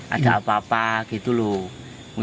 ada apa apa gitu loh